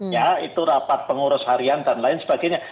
ya itu rapat pengurus harian dan lain sebagainya